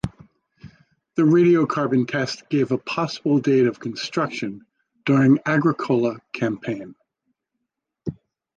The radiocarbon test gave a possible date of construction during Agricola campaign.